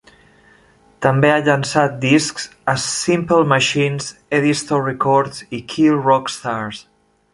També ha llançat discs a Simple Machines, Edisto Records i Kill Rock Stars.